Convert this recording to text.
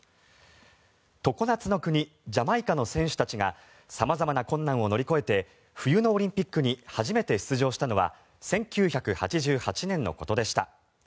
常夏の国、ジャマイカの選手たちが様々な困難を乗り越えて冬のオリンピックに初めて出場したのは１９８８年のことでした。